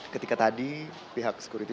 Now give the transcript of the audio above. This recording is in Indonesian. ketika tadi pihak security